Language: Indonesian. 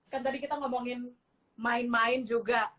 kan tadi kita ngomongin main main juga